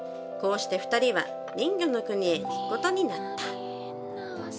こうして２人は人魚の国へ行くことになった」。